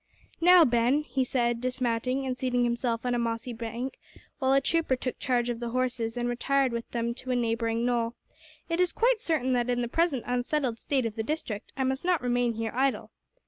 "Now, Ben," he said, dismounting and seating himself on a mossy bank, while a trooper took charge of the horses and retired with them to a neighbouring knoll, "it is quite certain that in the present unsettled state of the district I must not remain here idle.